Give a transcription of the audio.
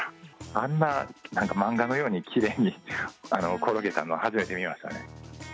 あんな漫画のようにきれいに転げたのは、初めて見ましたね。